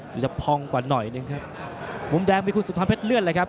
จะพองกว่าหน่อยหนึ่งครับมุมแดงมีคุณสุธรเพชรเลื่อนเลยครับ